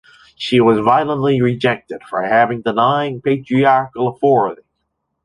She was violently rejected for having denying patriarchal authority.